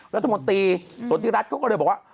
รัฐมนตรีสนทิรัฐเขาก็เลยบอกว่า